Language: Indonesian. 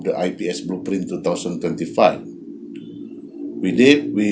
dari blueprint ips tahun dua ribu dua puluh lima